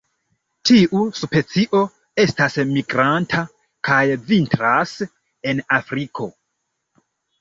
Tiu specio estas migranta kaj vintras en Afriko.